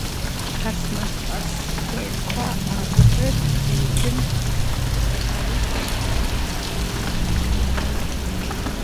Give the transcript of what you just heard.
ვახუშტი ბატონიშვილის მიხედვით დეხვირის ციხე შუა ფეოდალური ხანით შეიძლება დათარიღდეს.